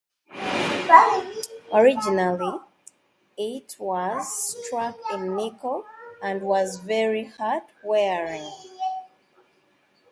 Originally it was struck in nickel and was very hard-wearing.